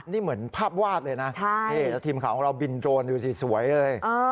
นี่เหมือนภาพวาดเลยนะนี่แล้วทีมข่าวของเราบินโดรนดูสิสวยเลย